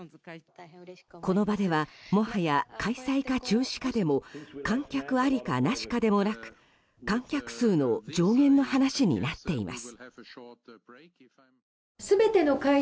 この場ではもはや開催か中止かでも観客ありか、なしかでもなく観客数の上限の話になっています。